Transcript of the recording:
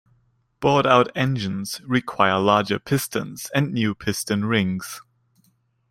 Bored-out engines require larger pistons and new piston rings.